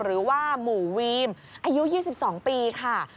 หรือว่าหมู่วีมอายุ๒๒ปีค่ะ